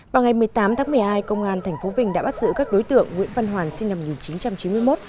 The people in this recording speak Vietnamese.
vào ngày một mươi tám tháng một mươi hai công an tp vinh đã bắt giữ các đối tượng nguyễn văn hoàn sinh năm một nghìn chín trăm chín mươi một